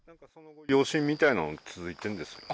余震みたいの続いてるんです